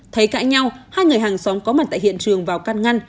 thấy cãi nhau hai người hàng xóm có mặt tại hiện trường vào can ngăn